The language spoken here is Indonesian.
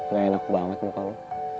gak enak banget muka lo